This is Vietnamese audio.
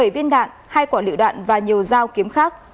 bảy viên đạn hai quả lựu đạn và nhiều dao kiếm khác